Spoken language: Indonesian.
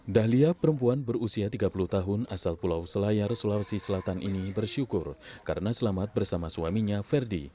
dahlia perempuan berusia tiga puluh tahun asal pulau selayar sulawesi selatan ini bersyukur karena selamat bersama suaminya ferdi